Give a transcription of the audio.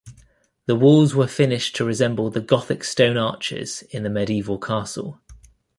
The walls were finished to resemble the Gothic stone arches in the medieval castle.